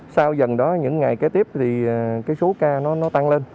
sau dần đó những ngày kế tiếp thì cái số ca nó tăng lên